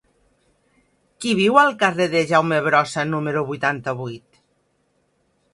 Qui viu al carrer de Jaume Brossa número vuitanta-vuit?